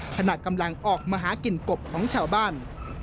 ขณะกำลังออกมาหากลิ่นกบของชาวบ้าน